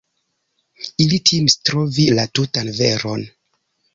Ili timis trovi la tutan veron.